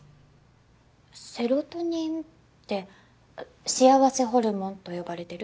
セロトニンって幸せホルモンと呼ばれてる？